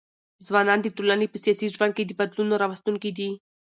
ځوانان د ټولني په سیاسي ژوند ګي د بدلون راوستونکي دي.